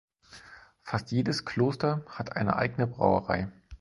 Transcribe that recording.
Fast jedes Kloster hatte eine eigene Brauerei.